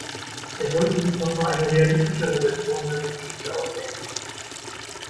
Er sollte sich noch mal eine realistischere Version seiner Geschichte ausdenken.